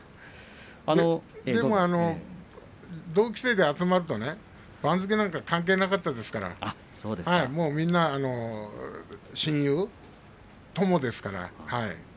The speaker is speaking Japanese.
でも同期生で集まると番付なんて関係なかったですからみんな親友、友ですから。